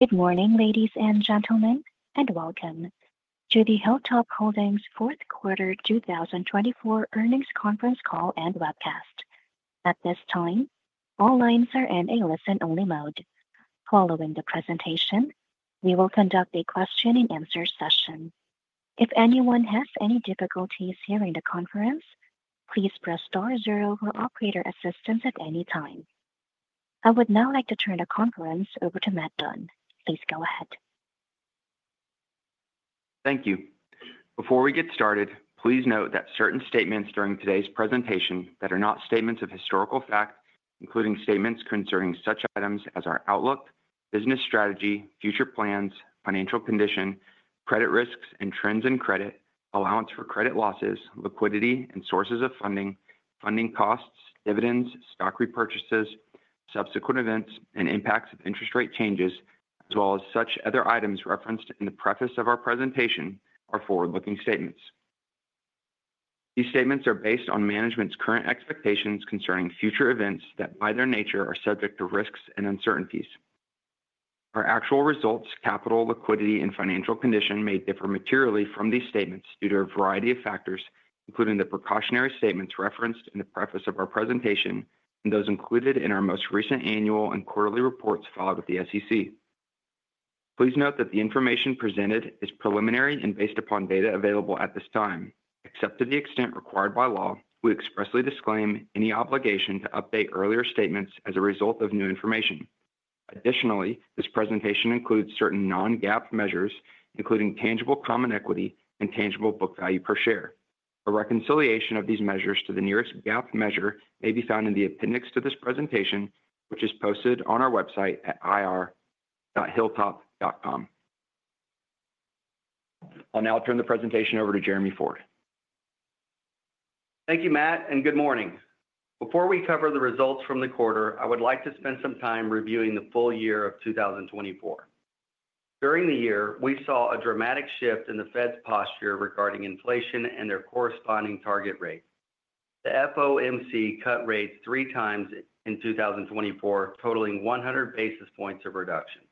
Good morning, ladies and gentlemen, and welcome to the Hilltop Holdings' Q4 2024 Earnings Conference call and webcast. At this time, all lines are in a listen-only mode. Following the presentation, we will conduct a Q&A session. If anyone has any difficulties hearing the conference, please press star zero for operator assistance at any time. I would now like to turn the conference over to Matt Dunn. Please go ahead. Thank you. Before we get started, please note that certain statements during today's presentation that are not statements of historical fact, including statements concerning such items as our outlook, business strategy, future plans, financial condition, credit risks, and trends in credit, allowance for credit losses, liquidity and sources of funding, funding costs, dividends, stock repurchases, subsequent events, and impacts of interest rate changes, as well as such other items referenced in the preface of our presentation, are forward-looking statements. These statements are based on management's current expectations concerning future events that, by their nature, are subject to risks and uncertainties. Our actual results, capital, liquidity, and financial condition may differ materially from these statements due to a variety of factors, including the precautionary statements referenced in the preface of our presentation and those included in our most recent annual and quarterly reports filed with the SEC. Please note that the information presented is preliminary and based upon data available at this time. Except to the extent required by law, we expressly disclaim any obligation to update earlier statements as a result of new information. Additionally, this presentation includes certain non-GAAP measures, including tangible common equity and tangible book value per share. A reconciliation of these measures to the nearest GAAP measure may be found in the appendix to this presentation, which is posted on our website at irhilltop.com. I'll now turn the presentation over to Jeremy Ford. Thank you, Matt, and good morning. Before we cover the results from the quarter, I would like to spend some time reviewing the full year of 2024. During the year, we saw a dramatic shift in the Fed's posture regarding inflation and their corresponding target rate. The FOMC cut rates three times in 2024, totaling 100 basis points of reduction.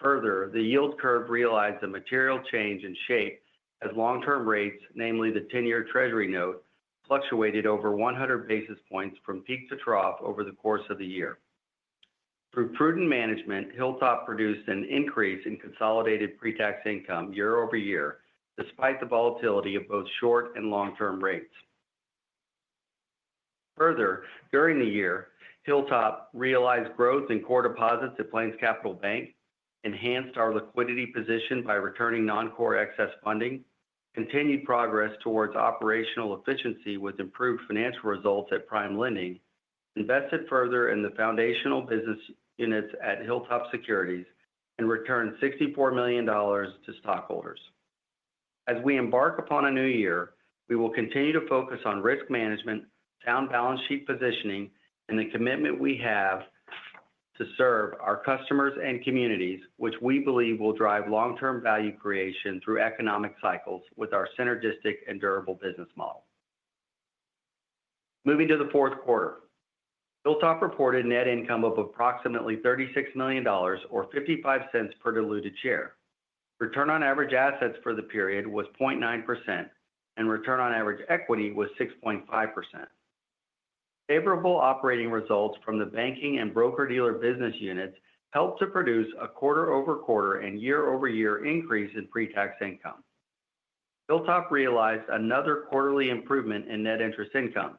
Further, the yield curve realized a material change in shape as long-term rates, namely the 10-year Treasury note, fluctuated over 100 basis points from peak to trough over the course of the year. Through prudent management, Hilltop produced an increase in consolidated pre-tax income year over year, despite the volatility of both short and long-term rates. Further, during the year, Hilltop realized growth in core deposits at PlainsCapital Bank, enhanced our liquidity position by returning non-core excess funding, continued progress towards operational efficiency with improved financial results at PrimeLending, invested further in the foundational business units at Hilltop Securities, and returned $64 million to stockholders. As we embark upon a new year, we will continue to focus on risk management, down balance sheet positioning, and the commitment we have to serve our customers and communities, which we believe will drive long-term value creation through economic cycles with our synergistic and durable business model. Moving to the Q4, Hilltop reported net income of approximately $36 million, or $0.55 per diluted share. Return on average assets for the period was 0.9%, and return on average equity was 6.5%. Favorable operating results from the banking and broker-dealer business units helped to produce a quarter-over-quarter and year-over-year increase in pre-tax income. Hilltop realized another quarterly improvement in net interest income,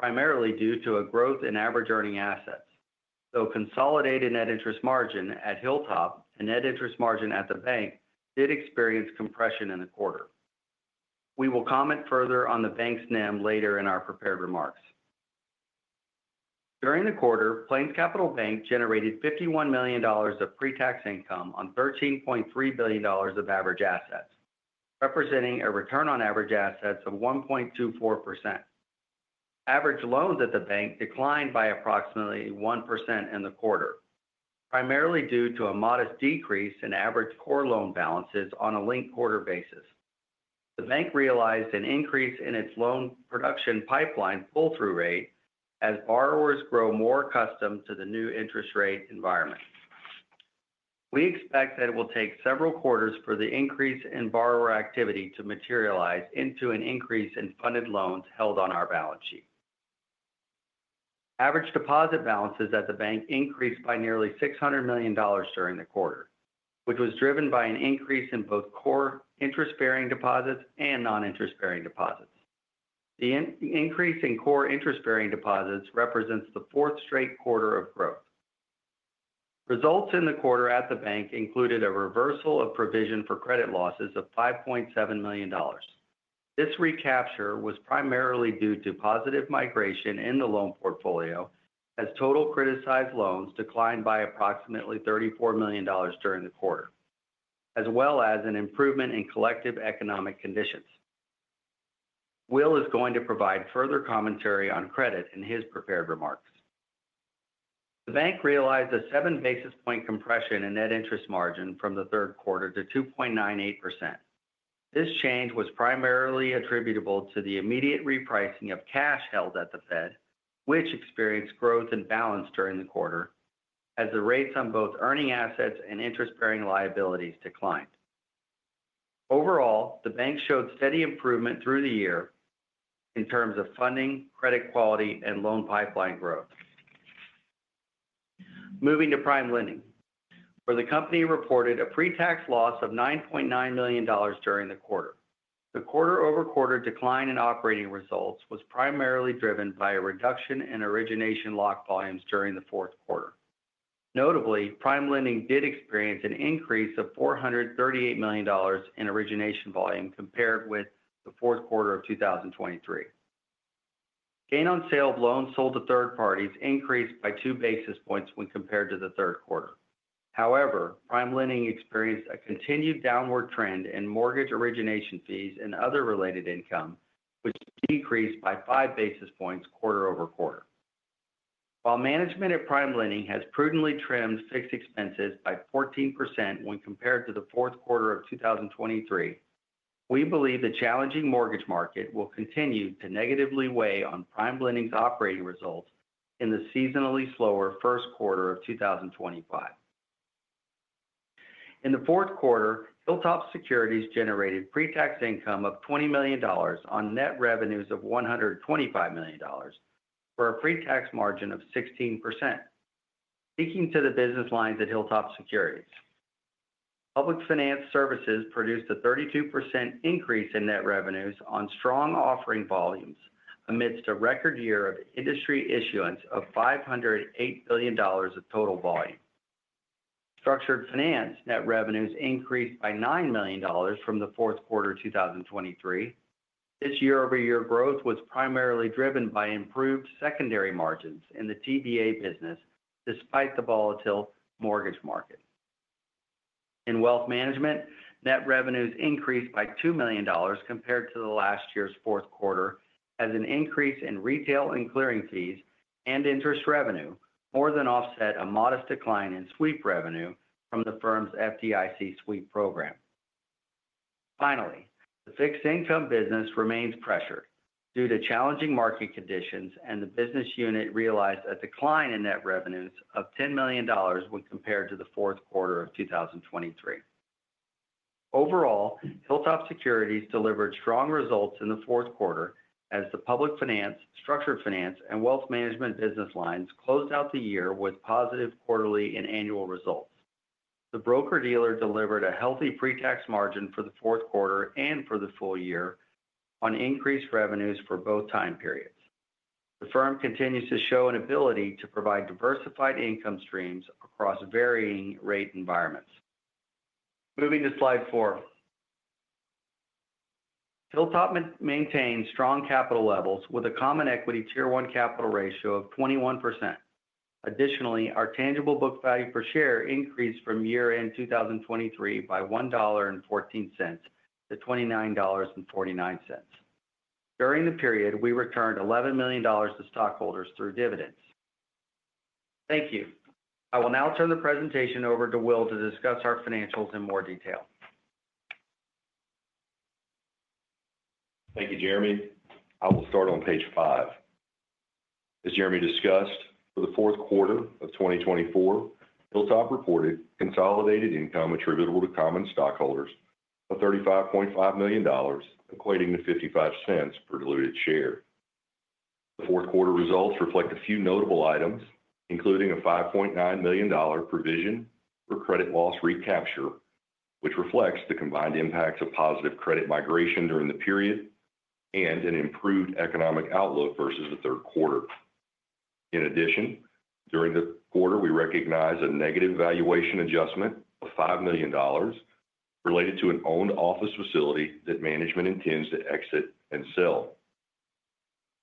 primarily due to a growth in average earning assets. Though consolidated net interest margin at Hilltop and net interest margin at the bank did experience compression in the quarter, we will comment further on the bank's NIM later in our prepared remarks. During the quarter, PlainsCapital Bank generated $51 million of pre-tax income on $13.3 billion of average assets, representing a return on average assets of 1.24%. Average loans at the bank declined by approximately 1% in the quarter, primarily due to a modest decrease in average core loan balances on a linked quarter basis. The bank realized an increase in its loan production pipeline pull-through rate as borrowers grow more accustomed to the new interest rate environment. We expect that it will take several quarters for the increase in borrower activity to materialize into an increase in funded loans held on our balance sheet. Average deposit balances at the bank increased by nearly $600 million during the quarter, which was driven by an increase in both core interest-bearing deposits and non-interest-bearing deposits. The increase in core interest-bearing deposits represents the fourth straight quarter of growth. Results in the quarter at the bank included a reversal of provision for credit losses of $5.7 million. This recapture was primarily due to positive migration in the loan portfolio, as total criticized loans declined by approximately $34 million during the quarter, as well as an improvement in collective economic conditions. Will is going to provide further commentary on credit in his prepared remarks. The bank realized a 7 basis points compression in net interest margin from the Q3 to 2.98%. This change was primarily attributable to the immediate repricing of cash held at the Fed, which experienced growth in balance during the quarter, as the rates on both earning assets and interest-bearing liabilities declined. Overall, the bank showed steady improvement through the year in terms of funding, credit quality, and loan pipeline growth. Moving to PrimeLending, where the company reported a pre-tax loss of $9.9 million during the quarter. The quarter-over-quarter decline in operating results was primarily driven by a reduction in origination lock volumes during the Q4. Notably, PrimeLending did experience an increase of $438 million in origination volume compared with the Q4 of 2023. Gain on sale of loans sold to third parties increased by 2 basis points when compared to the Q3. However, PrimeLending experienced a continued downward trend in mortgage origination fees and other related income, which decreased by 5 basis points quarter-over-quarter. While management at PrimeLending has prudently trimmed fixed expenses by 14% when compared to the Q4 of 2023, we believe the challenging mortgage market will continue to negatively weigh on PrimeLending's operating results in the seasonally slower Q1 of 2025. In the Q4, Hilltop Securities generated pre-tax income of $20 million on net revenues of $125 million for a pre-tax margin of 16%. Speaking to the business lines at Hilltop Securities, public finance services produced a 32% increase in net revenues on strong offering volumes amidst a record year of industry issuance of $508 billion of total volume. Structured finance net revenues increased by $9 million from the Q4 2023. This year-over-year growth was primarily driven by improved secondary margins in the TBA business, despite the volatile mortgage market. In wealth management, net revenues increased by $2 million compared to the last year's Q4, as an increase in retail and clearing fees and interest revenue more than offset a modest decline in sweep revenue from the firm's FDIC sweep program. Finally, the fixed income business remains pressured due to challenging market conditions, and the business unit realized a decline in net revenues of $10 million when compared to the Q4 of 2023. Overall, Hilltop Securities delivered strong results in the Q4, as the public finance, structured finance, and wealth management business lines closed out the year with positive quarterly and annual results. The broker-dealer delivered a healthy pre-tax margin for the Q4 and for the full year on increased revenues for both time periods. The firm continues to show an ability to provide diversified income streams across varying rate environments. Moving to slide four, Hilltop maintains strong capital levels with a Common Equity Tier 1 Capital Ratio of 21%. Additionally, our Tangible Book Value per Share increased from year-end 2023 by $1.14 to $29.49. During the period, we returned $11 million to stockholders through dividends. Thank you. I will now turn the presentation over to Will to discuss our financials in more detail. Thank you, Jeremy. I will start on Page 5. As Jeremy discussed, for the Q4 of 2024, Hilltop reported consolidated income attributable to common stockholders of $35.5 million, equating to $0.55 per diluted share. The Q4 results reflect a few notable items, including a $5.9 million provision for credit loss recapture, which reflects the combined impacts of positive credit migration during the period and an improved economic outlook versus the Q3. In addition, during the quarter, we recognize a negative valuation adjustment of $5 million related to an owned office facility that management intends to exit and sell.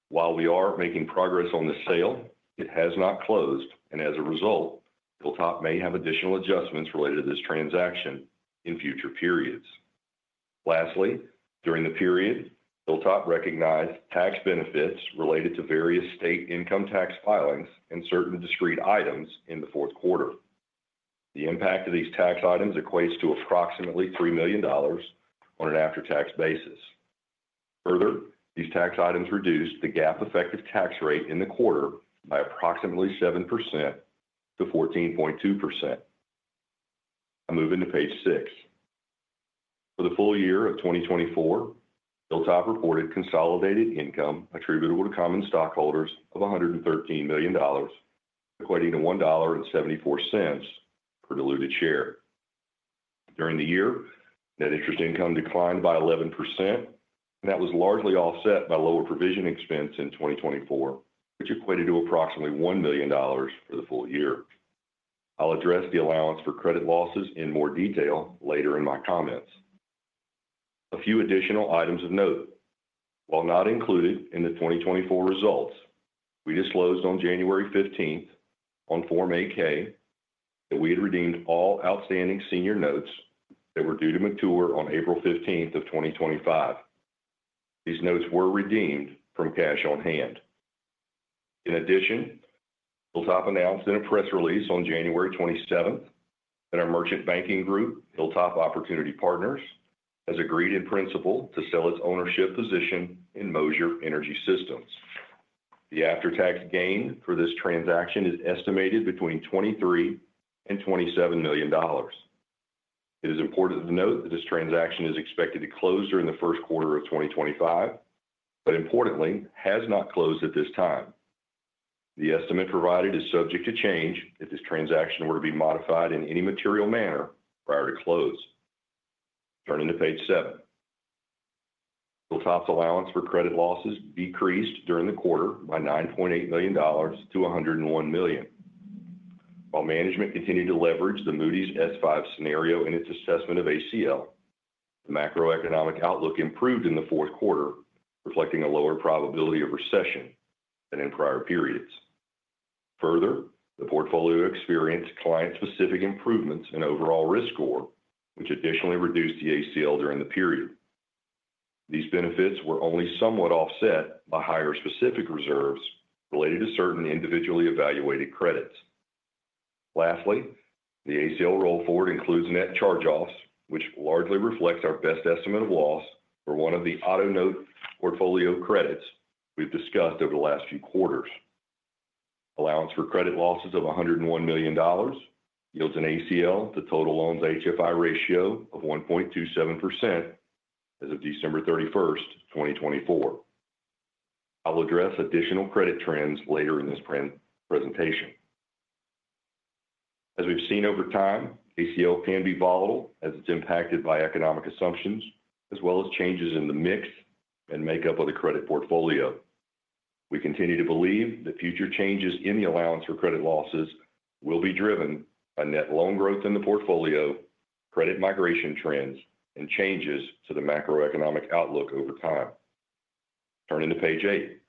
While we are making progress on the sale, it has not closed, and as a result, Hilltop may have additional adjustments related to this transaction in future periods. Lastly, during the period, Hilltop recognized tax benefits related to various state income tax filings and certain discrete items in the Q4. The impact of these tax items equates to approximately $3 million on an after-tax basis. Further, these tax items reduced the GAAP effective tax rate in the quarter by approximately 7% to 14.2%. I'm moving to Page 6. For the full year of 2024, Hilltop reported consolidated income attributable to common stockholders of $113 million, equating to $1.74 per diluted share. During the year, net interest income declined by 11%, and that was largely offset by lower provision expense in 2024, which equated to approximately $1 million for the full year. I'll address the allowance for credit losses in more detail later in my comments. A few additional items of note: while not included in the 2024 results, we disclosed on January 15th on Form 8-K that we had redeemed all outstanding senior notes that were due to mature on April 15th of 2025. These notes were redeemed from cash on hand. In addition, Hilltop announced in a press release on January 27th that our merchant banking group, Hilltop Opportunity Partners, has agreed in principle to sell its ownership position in Moser Energy Systems. The after-tax gain for this transaction is estimated between $23 million and $27 million. It is important to note that this transaction is expected to close during the Q1 of 2025, but importantly, has not closed at this time. The estimate provided is subject to change if this transaction were to be modified in any material manner prior to close. Turning to Page 7, Hilltop's allowance for credit losses decreased during the quarter by $9.8 million to $101 million. While management continued to leverage the Moody's S5 scenario in its assessment of ACL, the macroeconomic outlook improved in the Q4, reflecting a lower probability of recession than in prior periods. Further, the portfolio experienced client-specific improvements in overall risk score, which additionally reduced the ACL during the period. These benefits were only somewhat offset by higher specific reserves related to certain individually evaluated credits. Lastly, the ACL roll forward includes net charge-offs, which largely reflects our best estimate of loss for one of the auto note portfolio credits we've discussed over the last few quarters. Allowance for credit losses of $101 million yields an ACL to total loans HFI ratio of 1.27% as of December 31st, 2024. I'll address additional credit trends later in this presentation. As we've seen over time, ACL can be volatile as it's impacted by economic assumptions, as well as changes in the mix and makeup of the credit portfolio. We continue to believe that future changes in the allowance for credit losses will be driven by net loan growth in the portfolio, credit migration trends, and changes to the macroeconomic outlook over time. Turning to Page 8,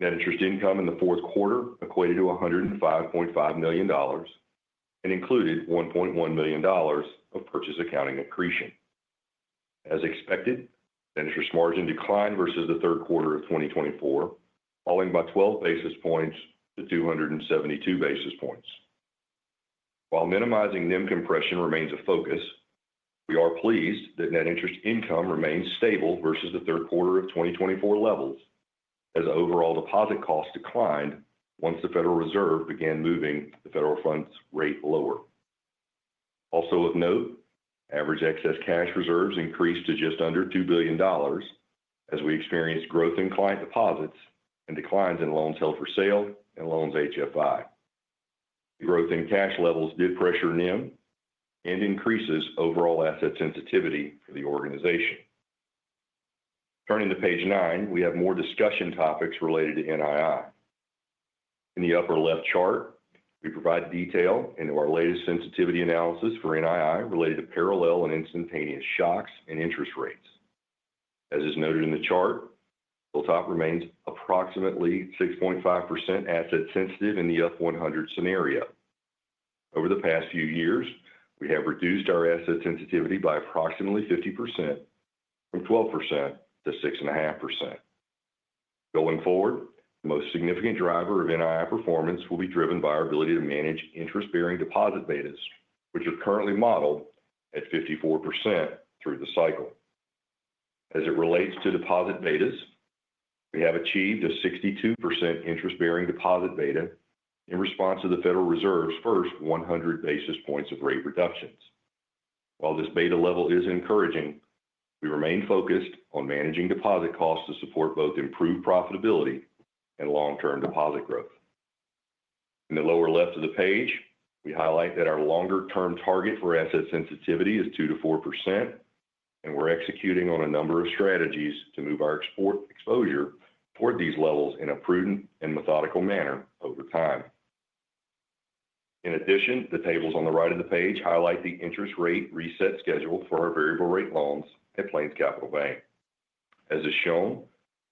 net interest income in the Q4 equated to $105.5 million and included $1.1 million of purchase accounting accretion. As expected, interest margin declined versus the Q3 of 2024, falling by 12 basis points to 272 basis points. While minimizing NIM compression remains a focus, we are pleased that net interest income remains stable versus the Q3 of 2024 levels, as overall deposit costs declined once the Federal Reserve began moving the federal funds rate lower. Also, of note, average excess cash reserves increased to just under $2 billion, as we experienced growth in client deposits and declines in loans held for sale and loans HFI. Growth in cash levels did pressure NIM and increases overall asset sensitivity for the organization. Turning to Page 9, we have more discussion topics related to NII. In the upper left chart, we provide detail into our latest sensitivity analysis for NII related to parallel and instantaneous shocks in interest rates. As is noted in the chart, Hilltop remains approximately 6.5% asset sensitive in the F100 scenario. Over the past few years, we have reduced our asset sensitivity by approximately 50% from 12% to 6.5%. Going forward, the most significant driver of NII performance will be driven by our ability to manage interest-bearing deposit betas, which are currently modeled at 54% through the cycle. As it relates to deposit betas, we have achieved a 62% interest-bearing deposit beta in response to the Federal Reserve's first 100 basis points of rate reductions. While this beta level is encouraging, we remain focused on managing deposit costs to support both improved profitability and long-term deposit growth. In the lower left of the page, we highlight that our longer-term target for asset sensitivity is 2%-4%, and we're executing on a number of strategies to move our exposure toward these levels in a prudent and methodical manner over time. In addition, the tables on the right of the page highlight the interest rate reset schedule for our variable rate loans at PlainsCapital Bank. As is shown,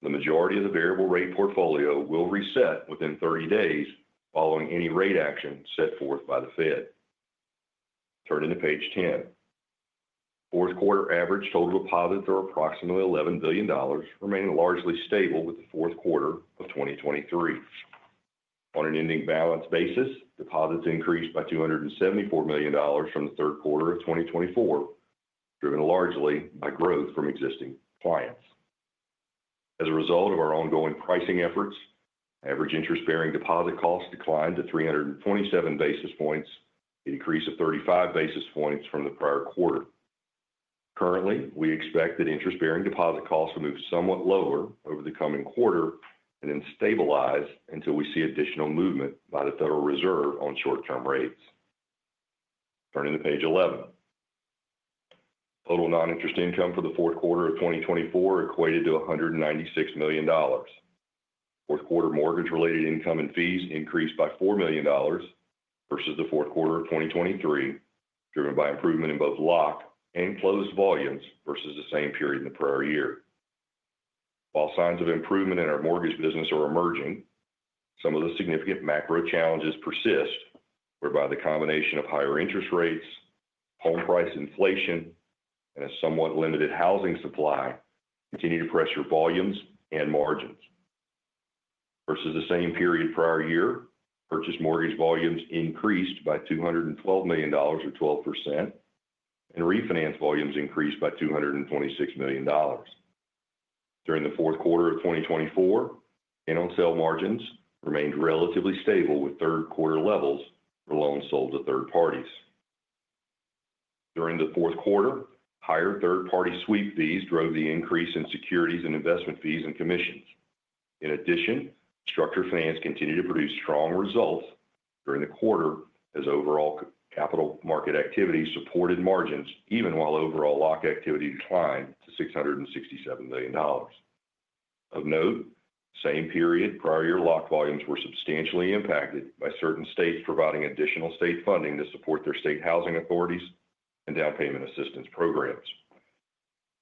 the majority of the variable rate portfolio will reset within 30 days following any rate action set forth by the Fed. Turning to Page 10, Q4 average total deposits are approximately $11 billion, remaining largely stable with the Q4 of 2023. On an ending balance basis, deposits increased by $274 million from the Q3 of 2024, driven largely by growth from existing clients. As a result of our ongoing pricing efforts, average interest-bearing deposit costs declined to 327 basis points, an increase of 35 basis points from the prior quarter. Currently, we expect that interest-bearing deposit costs will move somewhat lower over the coming quarter and then stabilize until we see additional movement by the Federal Reserve on short-term rates. Turning to Page 11, total non-interest income for the Q4 of 2024 equated to $196 million. Q4 mortgage-related income and fees increased by $4 million versus the Q4 of 2023, driven by improvement in both lock and closed volumes versus the same period in the prior year. While signs of improvement in our mortgage business are emerging, some of the significant macro challenges persist, whereby the combination of higher interest rates, home price inflation, and a somewhat limited housing supply continue to pressure volumes and margins. Versus the same period prior year, purchase mortgage volumes increased by $212 million or 12%, and refinance volumes increased by $226 million. During the Q4 of 2024, Gain on sale margins remained relatively stable with Q3 levels for loans sold to third parties. During the Q4, higher third-party sweep fees drove the increase in securities and investment fees and commissions. In addition, structured finance continued to produce strong results during the quarter as overall capital market activity supported margins, even while overall lock activity declined to $667 million. Of note, same period prior year lock volumes were substantially impacted by certain states providing additional state funding to support their state housing authorities and down payment assistance programs.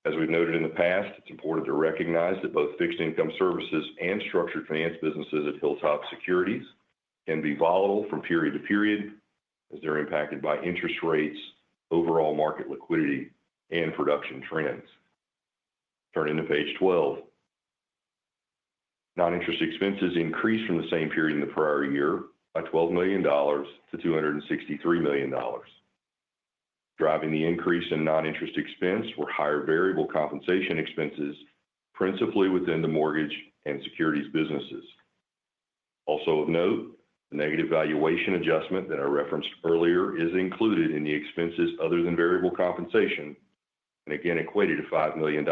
As we've noted in the past, it's important to recognize that both fixed income services and structured finance businesses at Hilltop Securities can be volatile from period to period as they're impacted by interest rates, overall market liquidity, and production trends. Turning to Page 12, non-interest expenses increased from the same period in the prior year by $12 million to $263 million. Driving the increase in non-interest expense were higher variable compensation expenses, principally within the mortgage and securities businesses. Also, of note, the negative valuation adjustment that I referenced earlier is included in the expenses other than variable compensation and again equated to $5 million in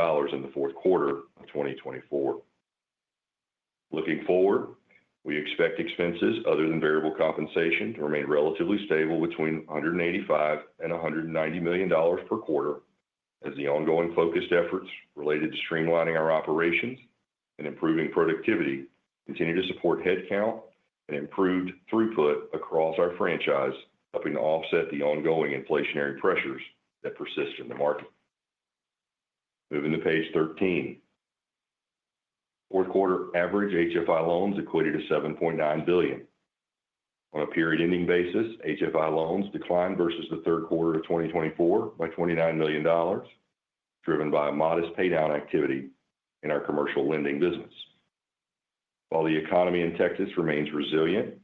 the Q4 of 2024. Looking forward, we expect expenses other than variable compensation to remain relatively stable between $185-$190 million per quarter as the ongoing focused efforts related to streamlining our operations and improving productivity continue to support headcount and improved throughput across our franchise, helping to offset the ongoing inflationary pressures that persist in the market. Moving to Page 13, Q4 average HFI loans equated to $7.9 billion. On a period ending basis, HFI loans declined versus the Q3 of 2024 by $29 million, driven by a modest paydown activity in our commercial lending business. While the economy in Texas remains resilient,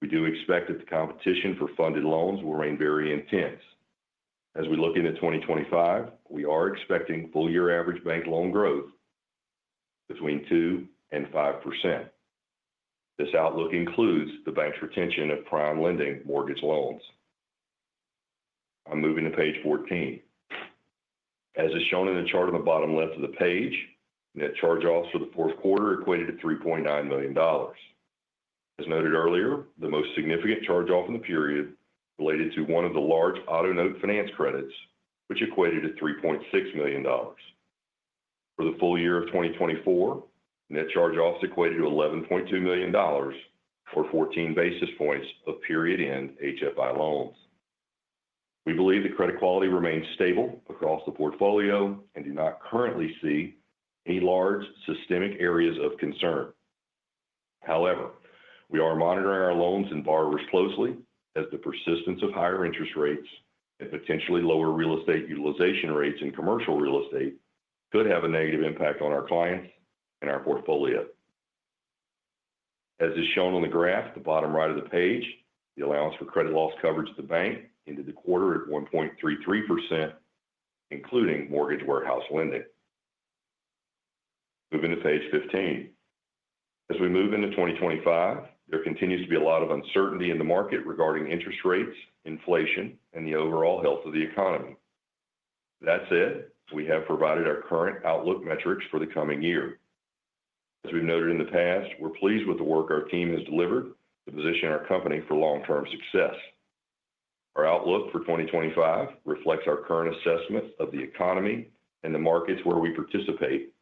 we do expect that the competition for funded loans will remain very intense. As we look into 2025, we are expecting full-year average bank loan growth between 2% and 5%. This outlook includes the bank's retention of prime lending mortgage loans. I'm moving to Page 14. As is shown in the chart on the bottom left of the page, net charge-offs for the Q4 equated to $3.9 million. As noted earlier, the most significant charge-off in the period related to one of the large auto note finance credits, which equated to $3.6 million. For the full year of 2024, net charge-offs equated to $11.2 million or 14 basis points of period-end HFI loans. We believe the credit quality remains stable across the portfolio and do not currently see any large systemic areas of concern. However, we are monitoring our loans and borrowers closely as the persistence of higher interest rates and potentially lower real estate utilization rates in commercial real estate could have a negative impact on our clients and our portfolio. As is shown on the graph at the bottom right of the page, the allowance for credit losses coverage at the bank ended the quarter at 1.33%, including mortgage warehouse lending. Moving to Page 15. As we move into 2025, there continues to be a lot of uncertainty in the market regarding interest rates, inflation, and the overall health of the economy. That said, we have provided our current outlook metrics for the coming year. As we've noted in the past, we're pleased with the work our team has delivered to position our company for long-term success. Our outlook for 2025 reflects our current assessment of the economy and the markets where we participate.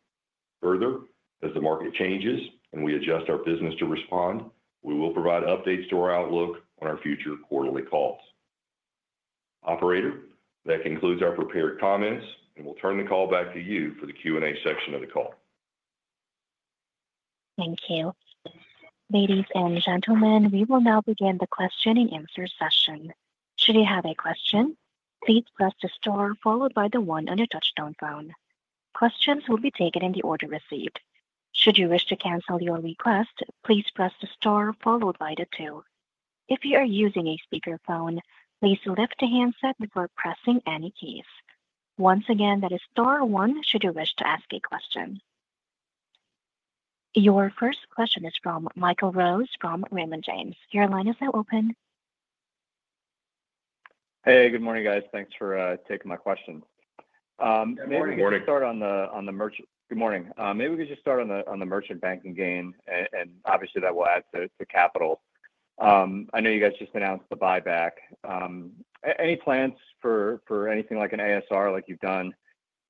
Further, as the market changes and we adjust our business to respond, we will provide updates to our outlook on our future quarterly calls. Operator, that concludes our prepared comments, and we'll turn the call back to you for the Q&A section of the call. Thank you. Ladies and gentlemen, we will now begin the Q&A. Should you have a question, please press the star followed by the one on your touch-tone phone. Questions will be taken in the order received. Should you wish to cancel your request, please press the star followed by the two. If you are using a speakerphone, please lift the handset before pressing any keys. Once again, that is star one should you wish to ask a question. Your first question is from Michael Rose from Raymond James. Your line is now open. Hey, good morning, guys. Thanks for taking my question. Maybe we could start on the merchant. Good morning. Maybe we could just start on the merchant banking game, and obviously that will add to capital. I know you guys just announced the buyback. Any plans for anything like an ASR like you've done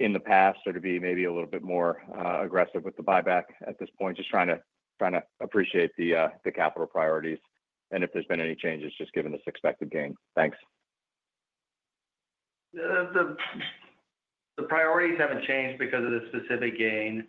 in the past or to be maybe a little bit more aggressive with the buyback at this point? Just trying to appreciate the capital priorities and if there's been any changes just given this expected gain. Thanks. The priorities haven't changed because of the specific gain.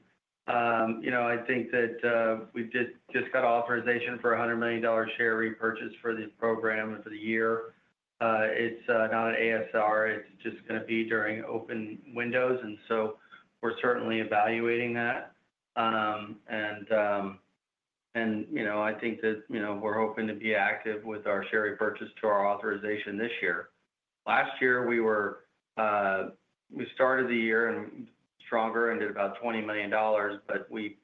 I think that we just got authorization for a $100 million share repurchase for the program for the year. It's not an ASR. It's just going to be during open windows, and so we're certainly evaluating that, and I think that we're hoping to be active with our share repurchase to our authorization this year. Last year, we started the year stronger and did about $20 million, but we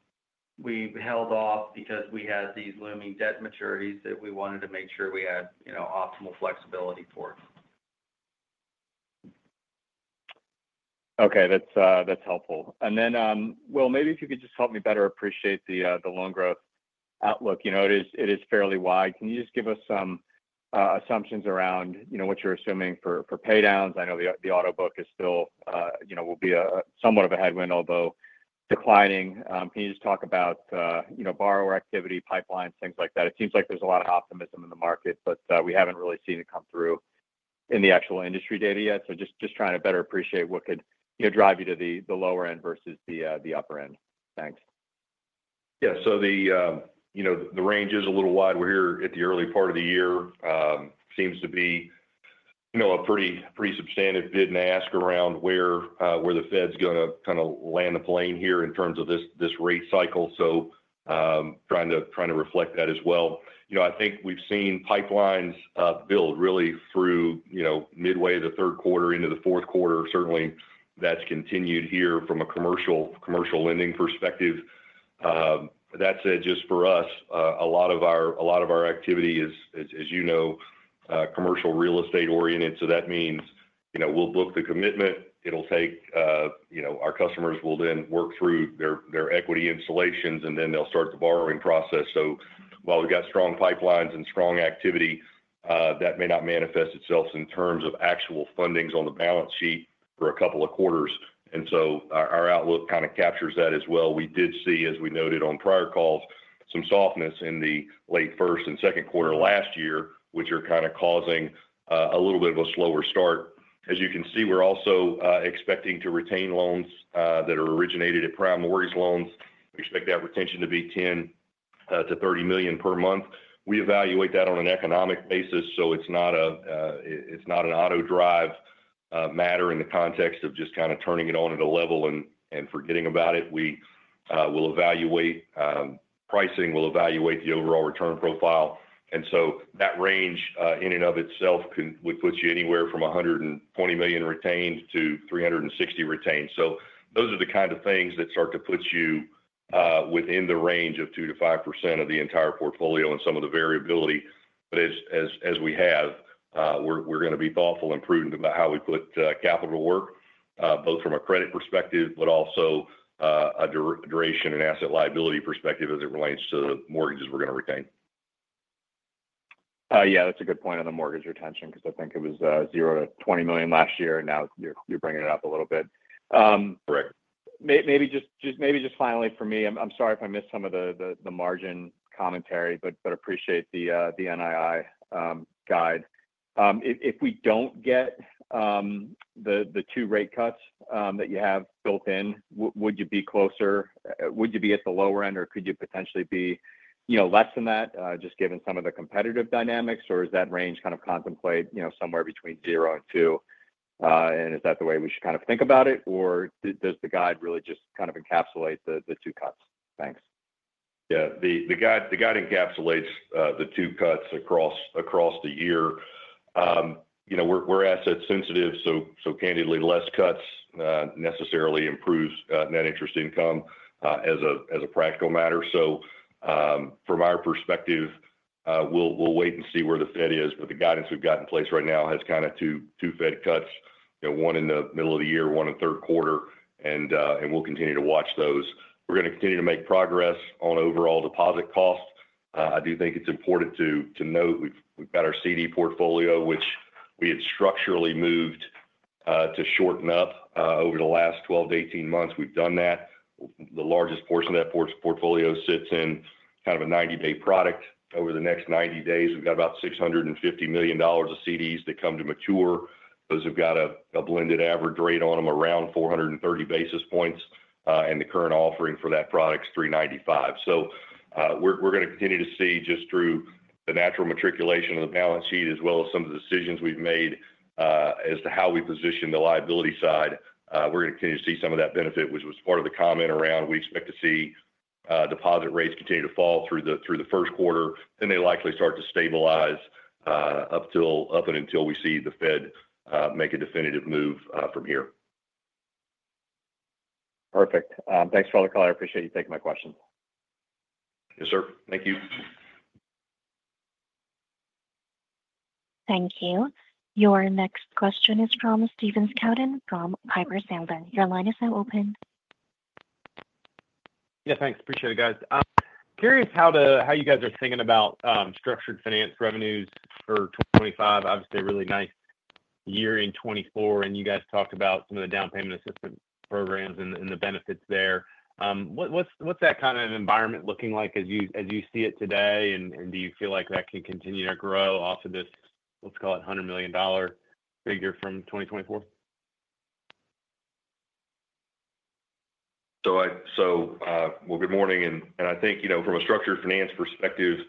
held off because we had these looming debt maturities that we wanted to make sure we had optimal flexibility for. Okay, that's helpful, and then, Will, maybe if you could just help me better appreciate the loan growth outlook. It is fairly wide. Can you just give us some assumptions around what you're assuming for paydowns? I know the auto book will be somewhat of a headwind, although declining. Can you just talk about borrower activity, pipelines, things like that? It seems like there's a lot of optimism in the market, but we haven't really seen it come through in the actual industry data yet. So just trying to better appreciate what could drive you to the lower end versus the upper end. Thanks. So the range is a little wide. We're here at the early part of the year. It seems to be a pretty substantive bid and ask around where the Fed's going to kind of land the plane here in terms of this rate cycle. So trying to reflect that as well. I think we've seen pipelines build really through midway the Q3 into the Q4. Certainly, that's continued here from a commercial lending perspective. That said, just for us, a lot of our activity is, as you know, commercial real estate oriented. So that means we'll book the commitment. It'll take our customers will then work through their equity installations, and then they'll start the borrowing process. So while we've got strong pipelines and strong activity, that may not manifest itself in terms of actual fundings on the balance sheet for a couple of quarters. And so our outlook kind of captures that as well. We did see, as we noted on prior calls, some softness in the late first and Q2 last year, which are kind of causing a little bit of a slower start. As you can see, we're also expecting to retain loans that are originated at prime mortgage loans. We expect that retention to be $10 million-$30 million per month. We evaluate that on an economic basis, so it's not an auto drive matter in the context of just kind of turning it on at a level and forgetting about it. We will evaluate pricing. We'll evaluate the overall return profile, and so that range in and of itself would put you anywhere from $120 million retained to $360 million retained, so those are the kind of things that start to put you within the range of 2%-5% of the entire portfolio and some of the variability. But as we have, we're going to be thoughtful and prudent about how we put capital to work, both from a credit perspective, but also a duration and asset liability perspective as it relates to the mortgages we're going to retain. That's a good point on the mortgage retention because I think it was $0-$20 million last year, and now you're bringing it up a little bit. Correct. Maybe just finally for me, I'm sorry if I missed some of the margin commentary, but appreciate the NII guide. If we don't get the two rate cuts that you have built in, would you be closer? Would you be at the lower end, or could you potentially be less than that just given some of the competitive dynamics? Or is that range kind of contemplate somewhere between zero and two? And is that the way we should kind of think about it? Or does the guide really just kind of encapsulate the two cuts? Thanks, the guide encapsulates the two cuts across the year. We're asset-sensitive, so candidly, less cuts necessarily improves net interest income as a practical matter. So from our perspective, we'll wait and see where the Fed is. But the guidance we've got in place right now has kind of two Fed cuts, one in the middle of the year, one in Q3, and we'll continue to watch those. We're going to continue to make progress on overall deposit costs. I do think it's important to note we've got our CD portfolio, which we had structurally moved to shorten up over the last 12 to 18 months. We've done that. The largest portion of that portfolio sits in kind of a 90-day product. Over the next 90 days, we've got about $650 million of CDs that come to mature. Those have got a blended average rate on them around 430 basis points, and the current offering for that product is 395. So we're going to continue to see just through the natural maturation of the balance sheet, as well as some of the decisions we've made as to how we position the liability side. We're going to continue to see some of that benefit, which was part of the comment around we expect to see deposit rates continue to fall through the Q1. Then they likely start to stabilize up until we see the Fed make a definitive move from here. Perfect. Thanks for all the call. I appreciate you taking my questions. Yes, sir. Thank you. Thank you. Your next question is from Stephen Scouten from Piper Sandler. Your line is now open. Thanks. Appreciate it, guys. Curious how you guys are thinking about structured finance revenues for 2025. Obviously, a really nice year in 2024, and you guys talked about some of the down payment assistance programs and the benefits there. What's that kind of environment looking like as you see it today? And do you feel like that can continue to grow off of this, let's call it, $100 million figure from 2024? Good morning. I think from a structured finance perspective,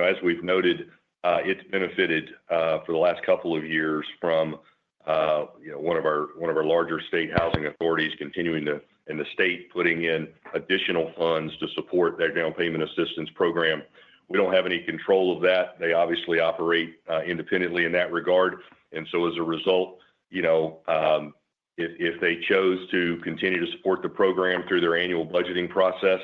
as we've noted, it's benefited for the last couple of years from one of our larger state housing authorities continuing to, and the state putting in additional funds to support their down payment assistance program. We don't have any control of that. They obviously operate independently in that regard. And so as a result, if they chose to continue to support the program through their annual budgeting process,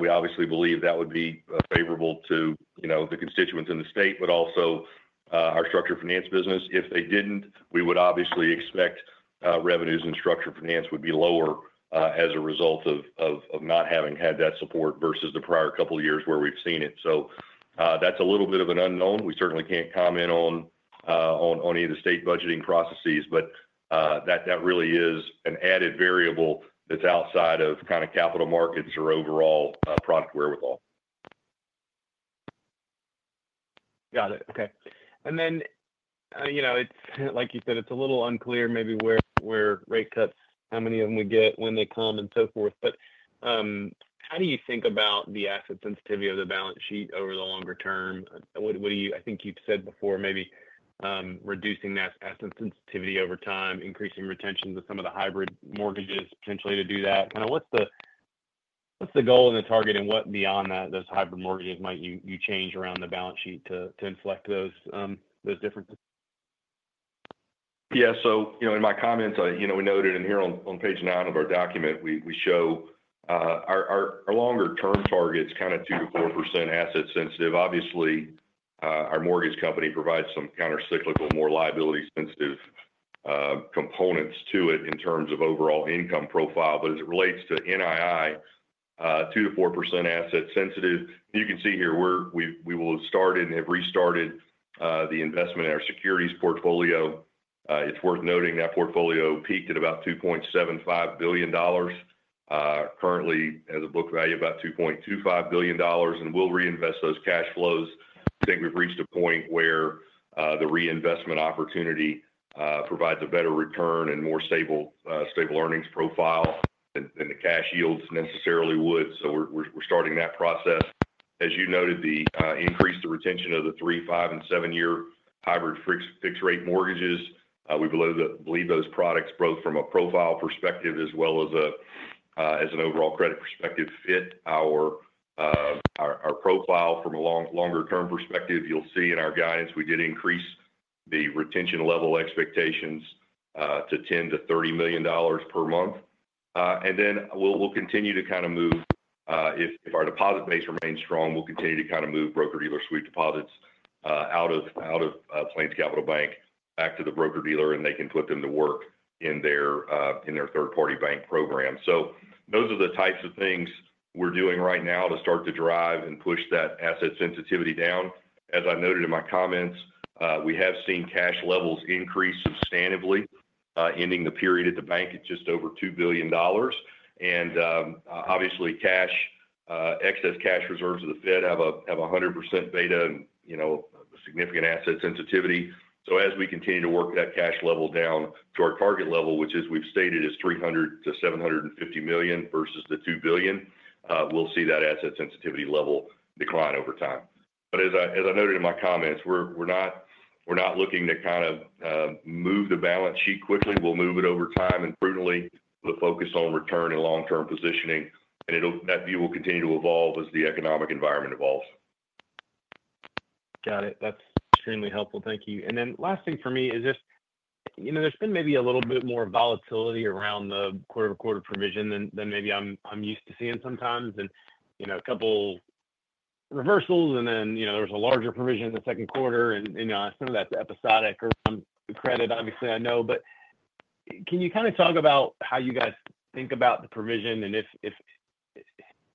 we obviously believe that would be favorable to the constituents in the state, but also our structured finance business. If they didn't, we would obviously expect revenues in structured finance would be lower as a result of not having had that support versus the prior couple of years where we've seen it. So that's a little bit of an unknown. We certainly can't comment on any of the state budgeting processes, but that really is an added variable that's outside of kind of capital markets or overall product wherewithal. Got it. Okay. And then, like you said, it's a little unclear maybe where rate cuts, how many of them we get, when they come, and so forth. But how do you think about the asset sensitivity of the balance sheet over the longer term?I think you've said before maybe reducing that asset sensitivity over time, increasing retention to some of the hybrid mortgages potentially to do that. Kind of what's the goal and the target, and what beyond those hybrid mortgages might you change around the balance sheet to inflect those differences? So in my comments, we noted in here on Page 9 of our document, we show our longer-term target's kind of 2%-4% asset sensitive. Obviously, our mortgage company provides some countercyclical, more liability-sensitive components to it in terms of overall income profile. But as it relates to NII, 2%-4% asset sensitive. You can see here we will have started and have restarted the investment in our securities portfolio. It's worth noting that portfolio peaked at about $2.75 billion. Currently, has a book value of about $2.25 billion, and we'll reinvest those cash flows. I think we've reached a point where the reinvestment opportunity provides a better return and more stable earnings profile than the cash yields necessarily would. So we're starting that process. As you noted, the increase to retention of the three, five, and seven-year hybrid fixed-rate mortgages, we believe those products both from a profile perspective as well as an overall credit perspective fit our profile. From a longer-term perspective, you'll see in our guidance, we did increase the retention level expectations to $10-$30 million per month. And then we'll continue to kind of move. If our deposit base remains strong, we'll continue to kind of move broker-dealer sweep deposits out of PlainsCapital Bank back to the broker-dealer, and they can put them to work in their third-party bank program. So those are the types of things we're doing right now to start to drive and push that asset sensitivity down. As I noted in my comments, we have seen cash levels increase substantively, ending the period at the bank at just over $2 billion. And obviously, excess cash reserves of the Fed have a 100% beta and significant asset sensitivity. So as we continue to work that cash level down to our target level, which we've stated is $300 million-$750 million versus the $2 billion, we'll see that asset sensitivity level decline over time. But as I noted in my comments, we're not looking to kind of move the balance sheet quickly. We'll move it over time and prudently with a focus on return and long-term positioning. And that view will continue to evolve as the economic environment evolves. Got it. That's extremely helpful. Thank you. Then the last thing for me is just there's been maybe a little bit more volatility around the quarter-to-quarter provision than maybe I'm used to seeing sometimes. And a couple reversals, and then there was a larger provision in the Q2. And some of that's episodic around credit, obviously, I know. But can you kind of talk about how you guys think about the provision? And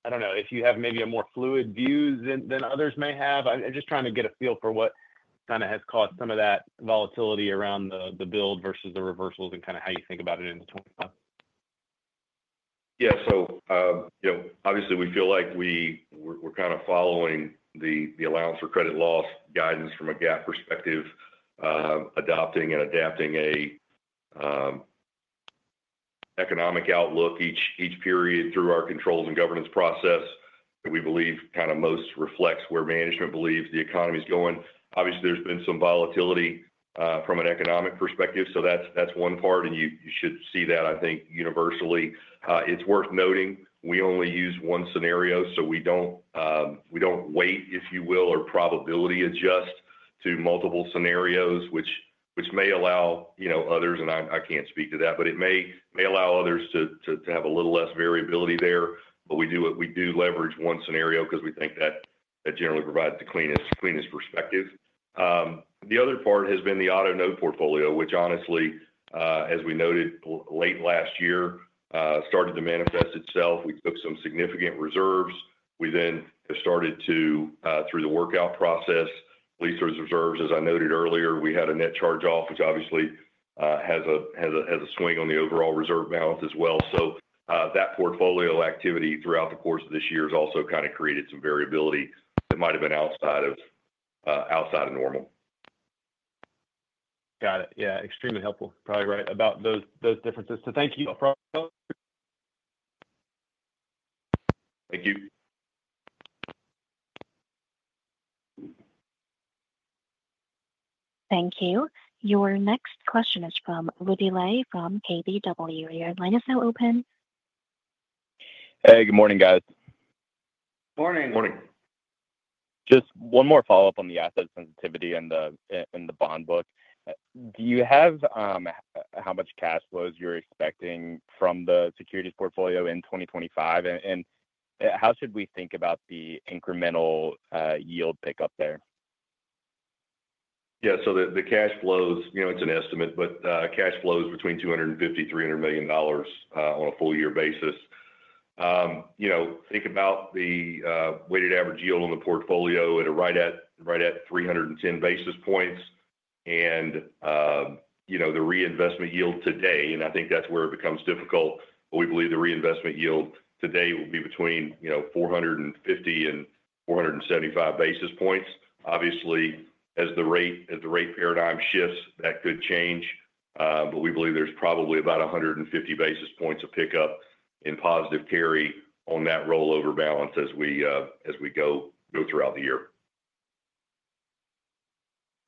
I don't know if you have maybe a more fluid view than others may have. I'm just trying to get a feel for what kind of has caused some of that volatility around the build versus the reversals and kind of how you think about it in 2025. So obviously, we feel like we're kind of following the allowance for credit losses guidance from a GAAP perspective, adopting and adapting an economic outlook each period through our controls and governance process. We believe kind of most reflects where management believes the economy is going. Obviously, there's been some volatility from an economic perspective. So that's one part, and you should see that, I think, universally. It's worth noting we only use one scenario, so we don't weight, if you will, or probability adjust to multiple scenarios, which may allow others, and I can't speak to that, but it may allow others to have a little less variability there. But we do leverage one scenario because we think that generally provides the cleanest perspective. The other part has been the auto note portfolio, which honestly, as we noted late last year, started to manifest itself. We took some significant reserves. We then have started to, through the workout process, release those reserves. As I noted earlier, we had a net charge-off, which obviously has a swing on the overall reserve balance as well. So that portfolio activity throughout the course of this year has also kind of created some variability that might have been outside of normal. Got it. Extremely helpful. Probably right about those differences. So thank you, Prof. Thank you. Thank you. Your next question is from Woody Lay from KBW. Your line is now open. Hey, good morning, guys. Morning. Morning. Just one more follow-up on the asset sensitivity and the bond book. Do you have how much cash flows you're expecting from the securities portfolio in 2025? And how should we think about the incremental yield pickup there? So the cash flows, it's an estimate, but cash flows between $250-$300 million on a full-year basis. Think about the weighted average yield on the portfolio at a right at 310 basis points and the reinvestment yield today. And I think that's where it becomes difficult. But we believe the reinvestment yield today will be between 450 and 475 basis points. Obviously, as the rate paradigm shifts, that could change. But we believe there's probably about 150 basis points of pickup in positive carry on that rollover balance as we go throughout the year.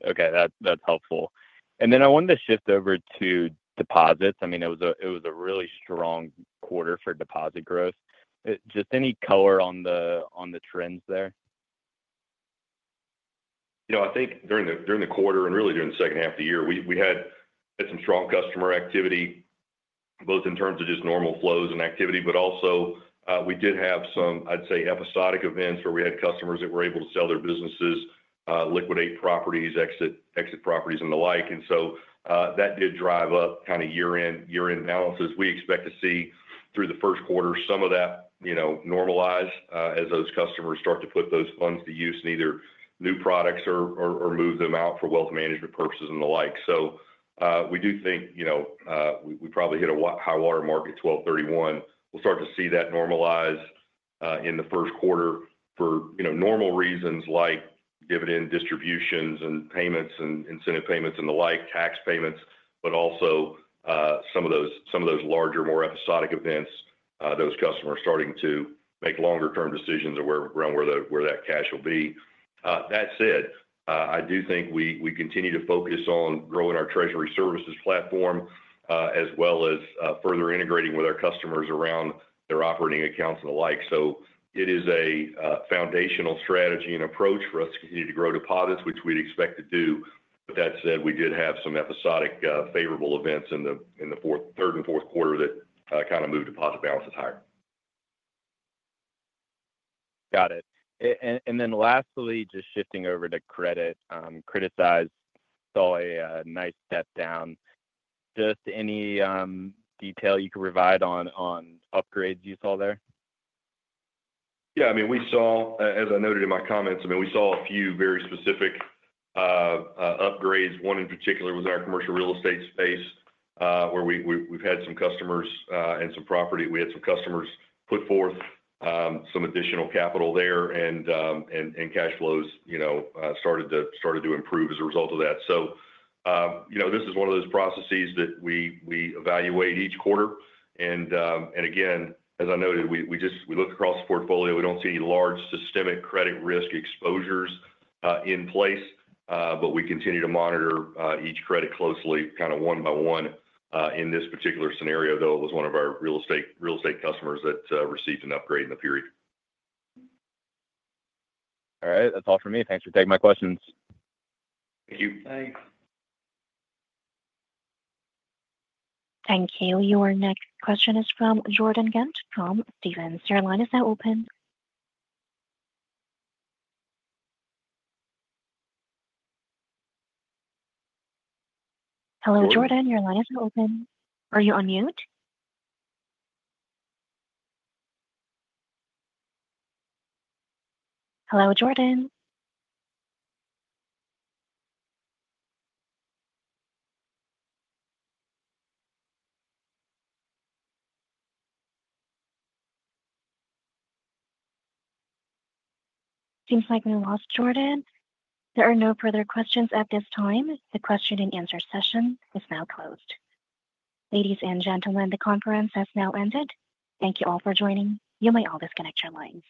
Okay. That's helpful. And then I wanted to shift over to deposits. I mean, it was a really strong quarter for deposit growth. Just any color on the trends there? I think during the quarter and really during the second half of the year, we had some strong customer activity, both in terms of just normal flows and activity, but also we did have some, I'd say, episodic events where we had customers that were able to sell their businesses, liquidate properties, exit properties, and the like. And so that did drive up kind of year-end balances. We expect to see through the Q1 some of that normalization as those customers start to put those funds to use in either new products or move them out for wealth management purposes and the like. So we do think we probably hit a high-water mark 12/31. We'll start to see that normalization in the Q1 for normal reasons like dividend distributions and payments and incentive payments and the like, tax payments, but also some of those larger, more episodic events, those customers starting to make longer-term decisions around where that cash will be. That said, I do think we continue to focus on growing our treasury services platform as well as further integrating with our customers around their operating accounts and the like. So it is a foundational strategy and approach for us to continue to grow deposits, which we'd expect to do. But that said, we did have some episodic favorable events in the third and Q4 that kind of moved deposit balances higher. Got it. And then lastly, just shifting over to credit, criticized saw a nice step down. Just any detail you could provide on upgrades you saw there? As I noted in my comments, I mean, we saw a few very specific upgrades. One in particular was in our commercial real estate space where we've had some customers and some property. We had some customers put forth some additional capital there, and cash flows started to improve as a result of that. So this is one of those processes that we evaluate each quarter. And again, as I noted, we looked across the portfolio. We don't see any large systemic credit risk exposures in place, but we continue to monitor each credit closely, kind of one by one in this particular scenario, though it was one of our real estate customers that received an upgrade in the period. All right. That's all for me. Thanks for taking my questions. Thank you. Thanks. Thank you. Your next question is from Jordan Ghent from Stephens. Your line is now open. Hello, Jordan. Your line is now open. Are you on mute? Hello, Jordan. Seems like we lost Jordan. There are no further questions at this time. The Q&A session is now closed. Ladies and gentlemen, the conference has now ended. Thank you all for joining. You may all disconnect your lines.